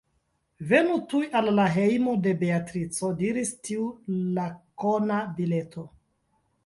Venu tuj al la hejmo de Beatrico, diris tiu lakona bileto.